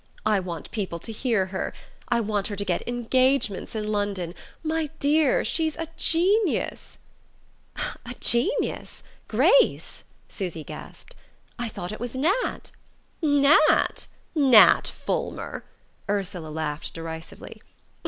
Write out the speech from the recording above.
I want people to hear her. I want her to get engagements in London. My dear, she's a Genius." "A Genius Grace!" Susy gasped. "I thought it was Nat...." "Nat Nat Fulmer?" Ursula laughed derisively.